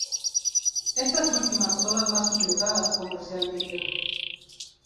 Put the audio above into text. Estas últimas son las más utilizadas comercialmente.